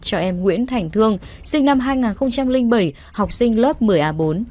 cho em nguyễn thành thương sinh năm hai nghìn bảy học sinh lớp một mươi a bốn